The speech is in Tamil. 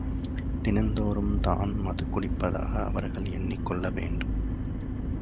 தினந்தோறும் தான் மது குடிப்பதாக அவர்கள் எண்ணிக் கொள்ளவேண்டும்.